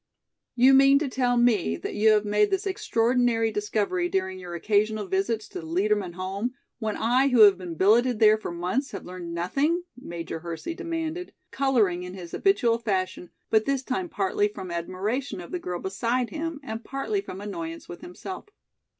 "You mean to tell me that you have made this extraordinary discovery during your occasional visits to the Liedermann home, when I who have been billeted there for months have learned nothing?" Major Hersey demanded, coloring in his habitual fashion, but this time partly from admiration of the girl beside him and partly from annoyance with himself.